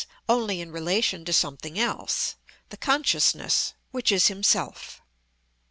_, only in relation to something else, the consciousness, which is himself.